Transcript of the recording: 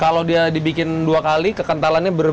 kalau dia dibikin dua kali kekentalannya berbeda